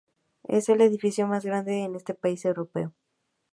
Es el edificio más grande en ese país europeo.